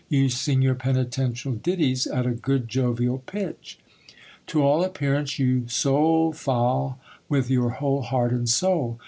You sing your penitential ditties at a good jovial pitch. To all appearance you sol fa with your whole heart and soul.